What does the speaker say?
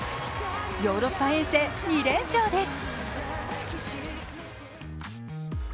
ヨーロッパ遠征２連勝です。